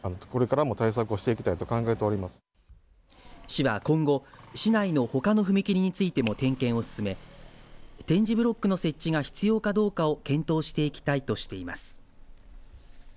市は今後、市内のほかの踏切についても点検を進め点字ブロックの設置が必要かどうかを検討していきたいとしています。